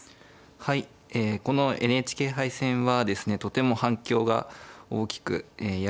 はいこのＮＨＫ杯戦はですねとても反響が大きくやりがいを感じます。